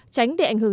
tránh để ảnh hưởng